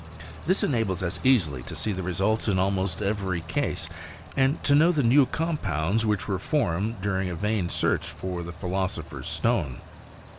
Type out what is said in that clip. This enables us easily to see the results in almost every case, ini to know the new compounds which were formed dunn|( a vain search for the philosopher's ^tone.